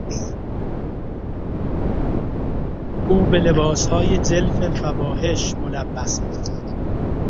او به لباسهای جلف فواحش ملبس بود.